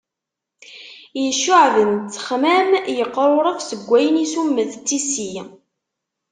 Iccuɛben ttexmam yeqruref seg wayen isummet d tissi.